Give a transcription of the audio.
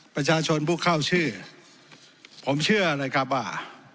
ประชาชนผู้เข้าชื่อผมเชื่อเลยครับว่า